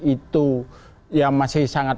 itu ya masih sangat